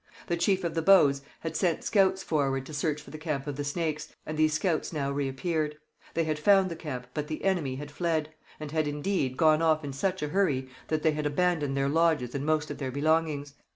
The chief of the Bows had sent scouts forward to search for the camp of the Snakes, and these scouts now reappeared. They had found the camp, but the enemy had fled; and had, indeed, gone off in such a hurry that they had abandoned their lodges and most of their belongings.